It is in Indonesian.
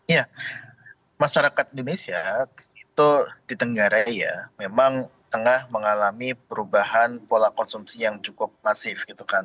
ya masyarakat indonesia itu di tenggarai ya memang tengah mengalami perubahan pola konsumsi yang cukup masif gitu kan